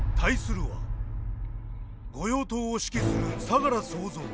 御用盗を指揮する相楽総三。